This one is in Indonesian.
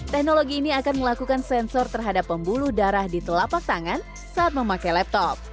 teknologi ini akan melakukan sensor terhadap pembuluh darah di telapak tangan saat memakai laptop